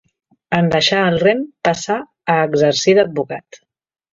En deixar el rem passà a exercir d'advocat.